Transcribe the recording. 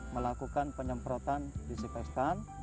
melakukan penyemprotan disifaskan